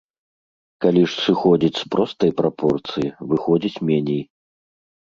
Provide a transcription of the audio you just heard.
Калі ж зыходзіць з простай прапорцыі, выходзіць меней.